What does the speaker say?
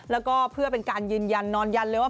แล้วก็เพื่อเป็นการยืนยันนอนยันเลยว่า